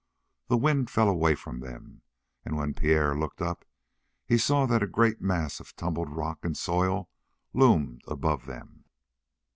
The wind fell away from them, and when Pierre looked up he saw that a great mass of tumbled rock and soil loomed above them.